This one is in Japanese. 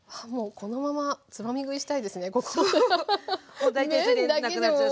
もう大体それでなくなっちゃう。